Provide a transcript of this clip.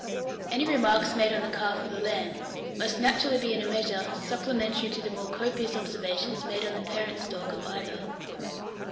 845. ANY REMARKS MADE ON THE CALF OR THE LAMB must naturally be in a measure supplementary to the more copious observations made on the parent stock of either.